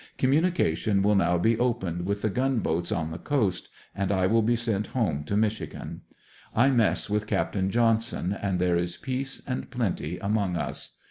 Com munication will now be opened with the gunboats on the coast and I will be sent home to Michigan. I mess with Capt. Johnson and there is peace and plenty among us.